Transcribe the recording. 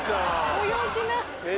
ご陽気な。